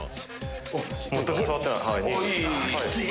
全く触ってない。